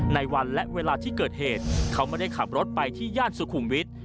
ในวันและเวลาที่เกิดเหตุเขาไม่ได้ขับรถไปที่ย่านสุขุมวิทย์